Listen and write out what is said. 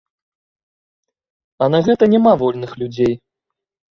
А на гэта няма вольных людзей.